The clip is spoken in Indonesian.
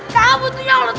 kamu butuh nyolot banget